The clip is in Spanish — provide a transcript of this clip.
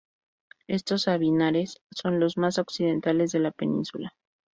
Estos sabinares son los más occidentales de la península.